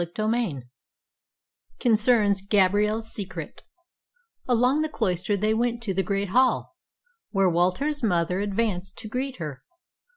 CHAPTER VI CONCERNS GABRIELLE'S SECRET Along the cloister they went to the great hall, where Walter's mother advanced to greet her.